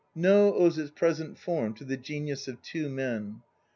No owes its present form to the genius of two men.